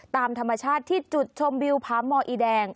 ตามธรรมชาติที่จุดชมวิวผาหมออีแดง